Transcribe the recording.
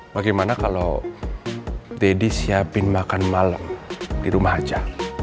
bagaimana kalau deddy siapin makan malam di rumah aja